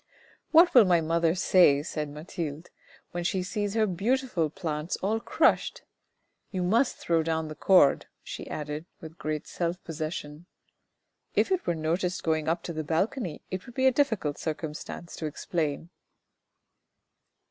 " What will my mother say," said Mathilde, " when she sees her beautiful plants all crushed ? You must throw down the cord," she added with great self possession. "If it were noticed going up to the balcony, it would be a difficult circumstance to explain."